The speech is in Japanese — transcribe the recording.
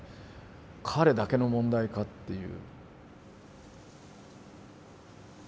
彼だけの問題か？っていう。